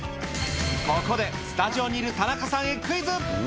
ここでスタジオにいる田中さんへクイズ。